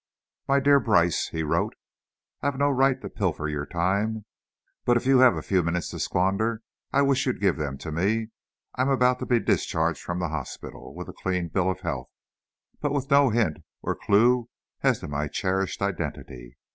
My dear Brice [he wrote]: I've no right to pilfer your time, but if you have a few minutes to squander, I wish you'd give them to me. I'm about to be discharged from the hospital, with a clean bill of health, but with no hint or clew as to my cherished identity.